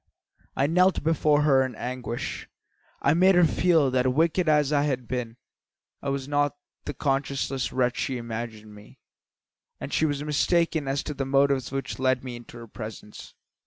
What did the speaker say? I knelt before her in anguish. I made her feel that, wicked as I had been, I was not the conscienceless wretch she had imagined, and that she was mistaken as to the motives which led me into her presence.